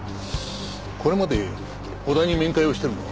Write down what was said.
これまで小田に面会をしてるのは？